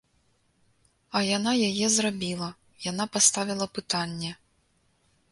А яна яе зрабіла, яна паставіла пытанне.